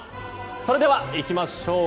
それでは行きましょう。